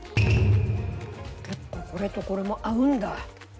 結構これとこれも合うんだ。